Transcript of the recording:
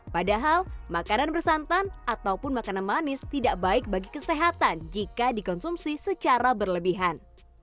padahal makanan bersantan ataupun makanan manis tidak baik bagi kesehatan jika dikonsumsi secara berlebihan